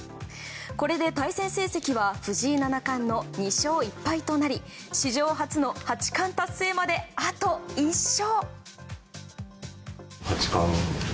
これで対戦成績は藤井七冠の２勝１敗となり史上初の八冠達成まであと１勝。